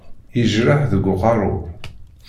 Yejreḥ deg uqerru.